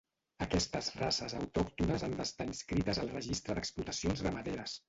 Aquestes races autòctones han d'estar inscrites al Registre d'explotacions ramaderes.